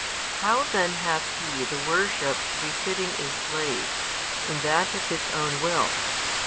How then hath He the worship befitting a slave, and that of His own will?